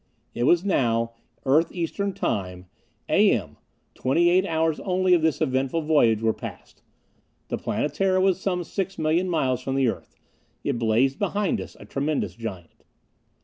It was now, Earth Eastern Time, A. M. Twenty eight hours only of this eventful voyage were passed. The Planetara was some six million miles from the Earth; it blazed behind us, a tremendous giant.